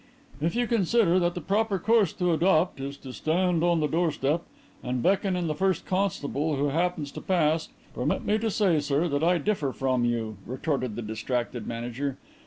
"If you consider that the proper course to adopt is to stand on the doorstep and beckon in the first constable who happens to pass, permit me to say, sir, that I differ from you," retorted the distracted manager.